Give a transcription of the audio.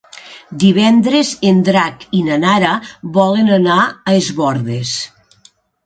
Divendres en Drac i na Nara volen anar a Es Bòrdes.